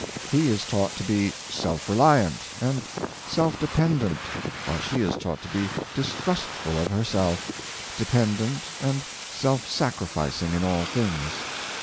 He is taught to be self reliant and self dependent, while she is taught to be dis trustful of herself, dependent, and self sacrificing in all things.